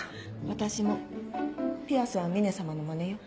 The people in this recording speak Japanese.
私もピアスは峰様のマネよ。